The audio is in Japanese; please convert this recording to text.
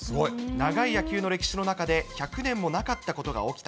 長い野球の歴史の中で１００年もなかったことが起きた。